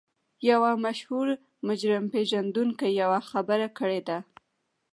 یوه مشهور مجرم پېژندونکي یوه خبره کړې ده